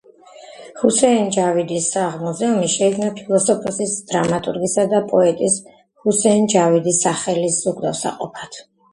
ჰუსეინ ჯავიდის სახლ-მუზეუმი შეიქმნა ფილოსოფოსის, დრამატურგისა და პოეტის ჰუსეინ ჯავიდის სახელის უკვდავსაყოფად.